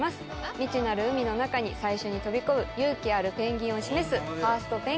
未知なる海の中に最初に飛び込む勇気あるペンギンを示すファーストペンギン。